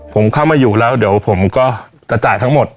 ผมเข้ามาอยู่แล้วเดี๋ยวผมก็จะจ่ายทั้งหมด